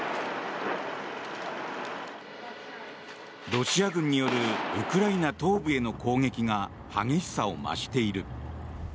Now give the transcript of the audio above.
ロシア軍によるウクライナ東部への攻撃が激しさを増している。